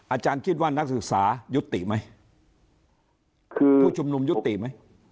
อาจารย์คิดว่านักศึกษายุติไหมคือผู้ชุมนุมยุติไหม